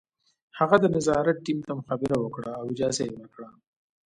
هغه د نظارت ټیم ته مخابره وکړه او اجازه یې ورکړه